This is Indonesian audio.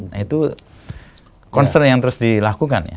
nah itu concern yang terus dilakukan ya